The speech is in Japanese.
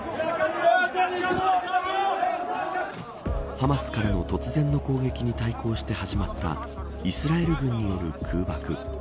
ハマスからの突然の攻撃に対抗して始まったイスラエル軍による空爆。